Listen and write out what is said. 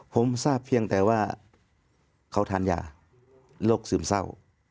ผมทราบเพียงแต่ว่าเขาทานยาโรคซึมเศร้า